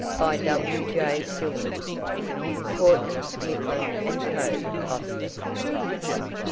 By W. J. Stillman. (Houghton, Mifflin and Co., Boston.)